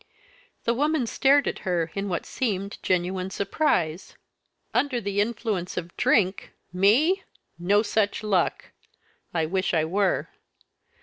The woman stared at her in what seemed genuine surprise. "Under the influence of drink! Me? No such luck! I wish I were."